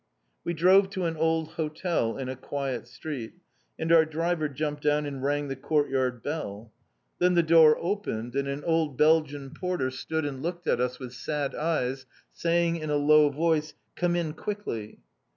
We drove to an old hotel in a quiet street, and our driver jumped down and rang the courtyard bell. Then the door opened, and an old Belgian porter stood and looked at us with sad eyes, saying in a low voice, "Come in quickly!"